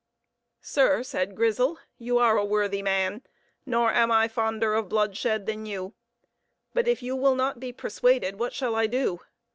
"Sir," said Grizel, "you are a worthy man; nor am I fonder of bloodshed than you; but if you will not be persuaded, what shall I do?